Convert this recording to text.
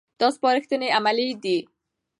دا سپارښتنې عملي دي.